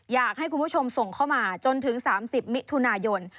อยากให้คุณผู้ชมส่งเข้ามาจนถึง๓๐มิถุนายน